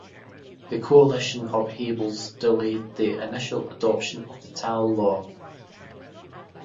The coalition upheavals delayed the initial adoption of the Tal law.